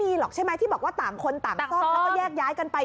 มีหรอกใช่ไหมที่บอกว่าต่างคนต่างซ่อมแล้วก็แยกย้ายกันไป